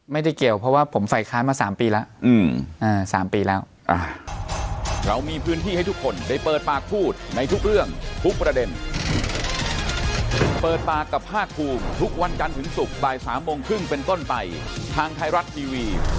ไม่ได้เกี่ยวเพราะว่าผมฝ่ายค้านมา๓ปีแล้ว๓ปีแล้ว